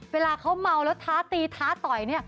เวลาเขาเมาแล้วท้าตีท้าต่อย